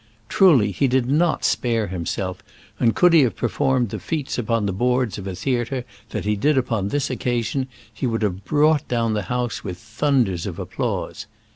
Truly, he did not spare himself, and could he have performed the feats upon the boards of a theatre that he did upon this occasion, he would have brought down the house with thun ders of applause.